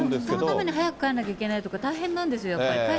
そのために早く帰らなきゃいけないとか、大変なんですよ、やっぱり。